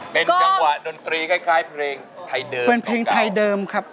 เป็นจังหวะดนตรีคล้ายเพลงไทยเดิมครับ